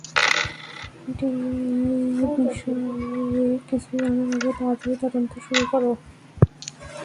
Media এ বিষয়ে কিছু জানার আগেই তাড়াতাড়ি তদন্ত শুরু কর।